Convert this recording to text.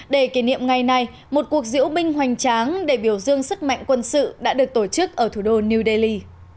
để kỷ niệm ngày này một cuộc diễu binh hoành tráng để biểu dương sức mạnh quân sự đã được tổ chức ở thủ đô new delhi